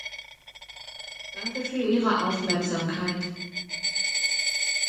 Danke für Ihre Aufmerksamkeit.